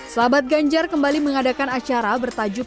sahabat ganjar kembali mengadakan acara bertajuk